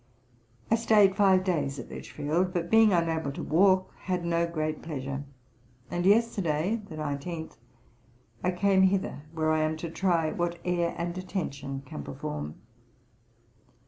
I staid five days at Lichfield, but, being unable to walk, had no great pleasure, and yesterday (19th) I came hither, where I am to try what air and attention can perform.